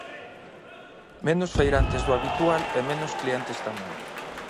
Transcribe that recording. Menos feirantes do habitual e menos clientes tamén.